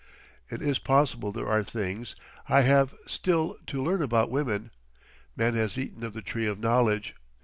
It is possible there are things I have still to learn about women.... Man has eaten of the Tree of Knowledge.